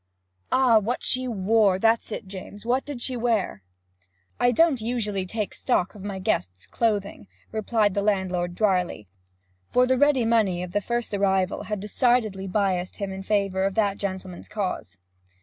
'Ah! what she wore; that's it, James. What did she wear?' 'I don't usually take stock of my guests' clothing,' replied the landlord drily, for the ready money of the first arrival had decidedly biassed him in favour of that gentleman's cause.